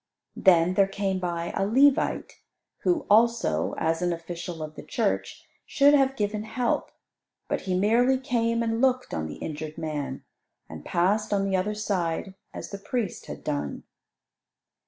Then there came by a Levite, who also, as an official of the church, should have given help. But he merely came and looked on the injured man, and passed on the other side as the priest had done.